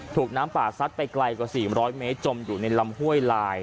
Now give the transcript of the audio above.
ถูกน้ำป่าซัดไปไกลกว่า๔๐๐เมตรจมอยู่ในลำห้วยลาย